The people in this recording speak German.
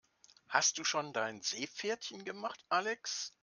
Hast du schon dein Seepferdchen gemacht, Alex?